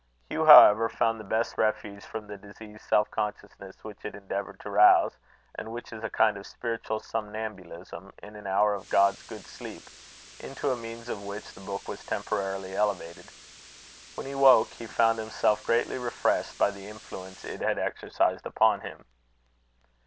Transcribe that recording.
Hugh, however, found the best refuge from the diseased self consciousness which it endeavoured to rouse, and which is a kind of spiritual somnambulism, in an hour of God's good sleep, into a means of which the book was temporarily elevated. When he woke he found himself greatly refreshed by the influence it had exercised upon him.